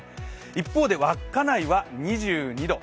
一方で稚内は２２度。